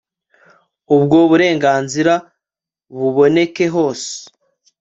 ubwo burenganzira buboneka hose